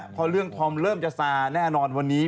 พอเรื่องธอมเริ่มจะซาแน่นอนวันนี้